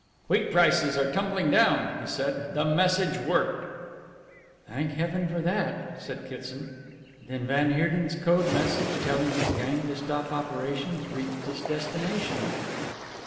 "Wheat prices are tumbling down," he said, "the message worked." "Thank Heaven for that!" said Kitson. "Then van Heerden's code message telling his gang to stop operations reached its destination!"